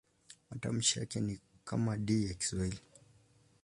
Matamshi yake ni kama D ya Kiswahili.